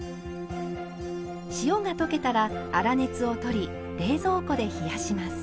塩が溶けたら粗熱を取り冷蔵庫で冷やします。